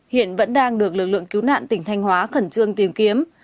hiện vẫn đang được lực lượng cứu nạn tỉnh thanh hóa khẩn trương tìm kiếm